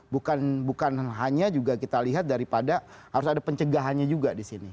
bukan hanya juga kita lihat daripada harus ada pencegahannya juga di sini